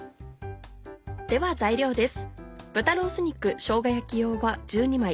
では材料です。